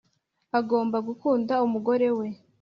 Agomba gukunda umugore we